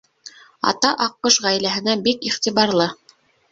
Ата аҡҡош ғаиләһенә бик иғтибарлы.